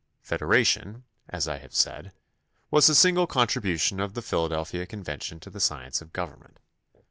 Fed eration, as I have said, was the signal contribution of the Philadelphia convention to the science of government.